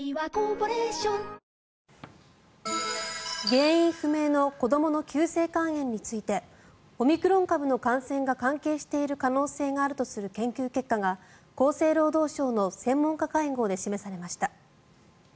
原因不明の子どもの急性肝炎についてオミクロン株の感染が関係している可能性があるとする研究結果が厚生労働省の専門家会合で示されました。